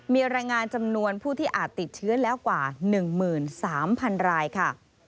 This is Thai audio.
มีรายงานจำนวนผู้ที่อาจติดเชื้อแล้วกว่า๑๓๐๐๐รายค่ะ